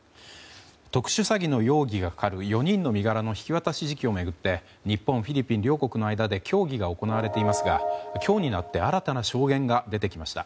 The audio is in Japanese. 特殊詐欺の容疑がかかる４人の身柄の引き渡し時期を巡って日本、フィリピン両国の間で協議が行われていますが今日になって新たな証言が出てきました。